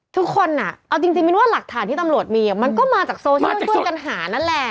ทุกคนเอาจริงมินว่าหลักฐานที่ตำรวจมีมันก็มาจากโซเชียลช่วยกันหานั่นแหละ